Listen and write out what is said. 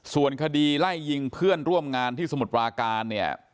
ส่วนคดีไล่ยิงเพื่อนร่วมงานที่สมุทรปราการเนี่ย